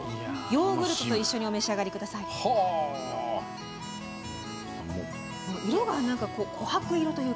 ヨーグルトと一緒にお召し上がりください。